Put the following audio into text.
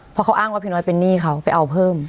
เพราะเขาอ้างว่าพี่น้อยเป็นหนี้เขาไปเอาเพิ่ม